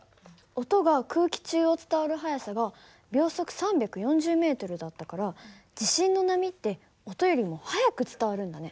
音が空気中を伝わる速さが秒速３４０ｍだったから地震の波って音よりも速く伝わるんだね。